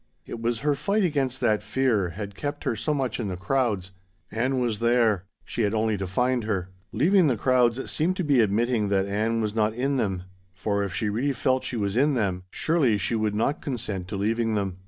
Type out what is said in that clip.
It was her fight against that fear had kept her so much in the crowds. Ann was there. She had only to find her. Leaving the crowds seemed to be admitting that Ann was not in them; for if she really felt she was in them, surely she would not consent to leaving them.